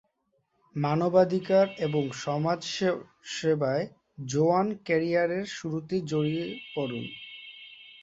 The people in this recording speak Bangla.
মানবাধিকার এবং সমাজসবায় জোয়ান ক্যারিয়ারের শুরুতেই জড়িয়ে পড়েন।